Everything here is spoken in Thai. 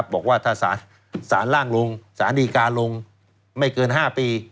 บอกว่าถ้าสารล่างลงสารดีการลงไม่เกิน๕ปี